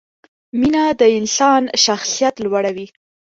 مینه د انسان شخصیت لوړوي.